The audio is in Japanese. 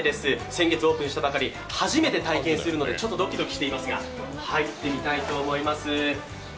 先月オープンしたばかり、初めて体験するのでちょっとドキドキしていますが入ってみたいと思います。